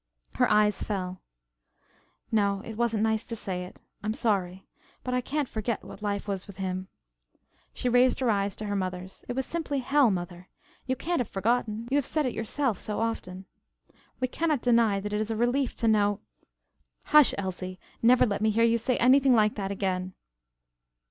Her eyes fell. "No, it wasn't nice to say it. I am sorry. But I can't forget what life was with him." She raised her eyes to her mother's. "It was simply hell, mother; you can't have forgotten. You have said it yourself so often. We can not deny that it is a relief to know " "Hush, Elsie, never let me hear you say anything like that again."